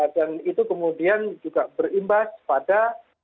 dan itu kemudian juga berimbas pada